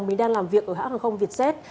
mình đang làm việc ở hãng hàng không việt xét